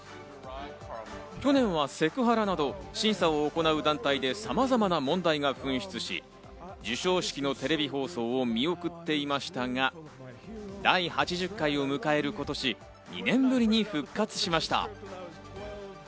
去年はセクハラなど、審査を行う団体で様々な問題が噴出し、授賞式のテレビ放送を見送っていましたが、第８０回を迎える今年、２年ぶりに復活しました。